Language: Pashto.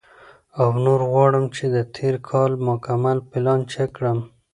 او نور غواړم چې د تېر کال مکمل پلان چیک کړم،